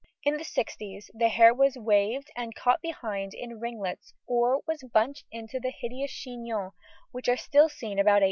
In the sixties the hair was waved and caught behind in ringlets or was bunched into the hideous chignons, which are seen till about 1880.